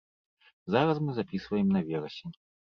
Зараз мы запісваем на верасень.